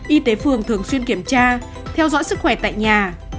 y tế phường thường xuyên kiểm tra theo dõi sức khỏe tại nhà